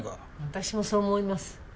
私もそう思います。